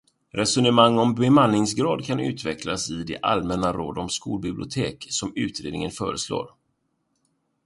Resonemang om bemanningsgrad kan utvecklas i de allmänna råd om skolbibliotek som utredningen föreslår.